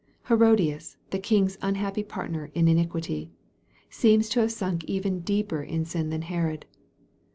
He rodias, the king's unhappy partner in iniquity, seems to have sunk even deeper in sin than Herod.